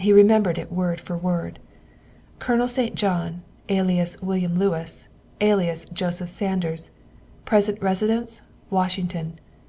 He remembered it word for word. " Colonel St. John, alias William Lewis, alias Joseph Sanders. Present residence, Washington.